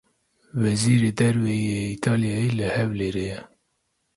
Wezîrê Derve yê Îtalyayê li Hewlêrê ye.